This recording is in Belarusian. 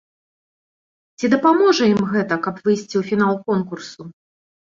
Ці дапаможа ім гэта, каб выйсці ў фінал конкурсу?